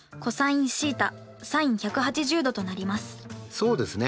そうですね。